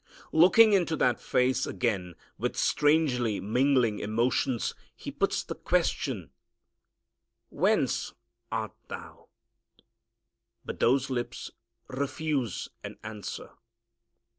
Looking into that face again with strangely mingling emotions, he puts the question, "Whence art Thou?" But those lips refuse an answer.